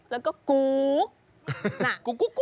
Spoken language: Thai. แล้วก็กก